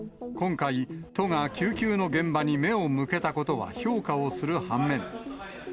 今回、都が救急の現場に目を向けたことは評価をする反面。